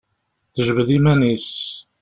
Tejbed iman-is.